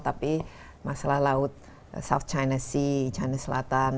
tapi masalah laut south china sea china selatan